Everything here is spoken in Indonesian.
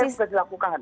keperan juga dilakukan